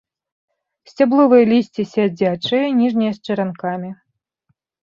Сцябловае лісце сядзячае, ніжняе з чаранкамі.